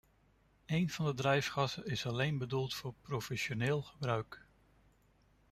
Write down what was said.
Een van de drijfgassen is alleen bedoeld voor professioneel gebruik.